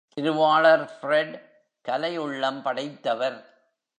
திருவாளர் பிரெட் கலை உள்ளம் படைத்தவர்.